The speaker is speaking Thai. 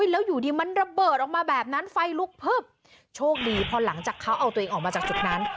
แล้วอยู่ดีมันระเบิดออกมาแบบนั้นไฟลุกพึบโชคดีพอหลังจากเขาเอาตัวเองออกมาจากจุดนั้น